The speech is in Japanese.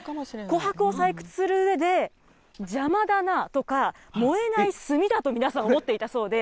琥珀を採掘するうえで、邪魔だなとか、燃えない炭だと皆さん、思っていたそうで。